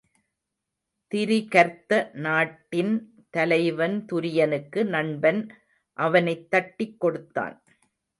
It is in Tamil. திரிகர்த்த நாட்டின் தலைவன் துரியனுக்கு நண்பன் அவனைத் தட்டிக் கொடுத்தான்.